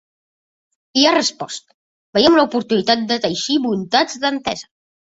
I ha respost: Veiem una oportunitat de teixir voluntats d’entesa.